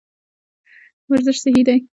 ورزش صحي دی.